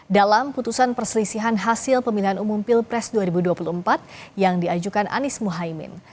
dalam putusan perselisihan hasil pemilihan umum pilpres dua ribu dua puluh empat yang diajukan anies muhaymin